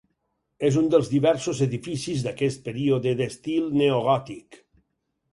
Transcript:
És un dels diversos edificis d'aquest període d'estil neogòtic.